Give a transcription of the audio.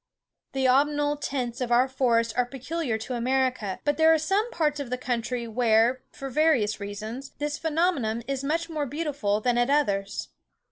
The autumnal tints of our forests are peculiar to America, but there are some parts of the country where, for various reasons, this phenomenon is much more beautiful than at others.